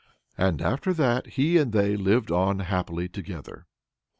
And after that he and they lived on happily together.